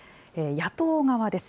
野党側です。